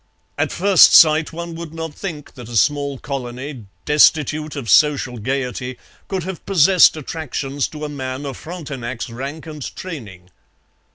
At first sight one would not think that a small colony destitute of social gaiety could have possessed attractions to a man of Frontenac's rank and training.